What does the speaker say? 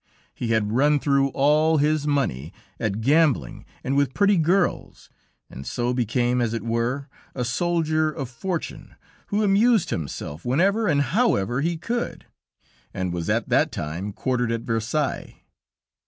He had run through all his money at gambling and with pretty girls, and so became, as it were, a soldier of fortune, who amused himself whenever and however he could, and was at that time quartered at Versailles.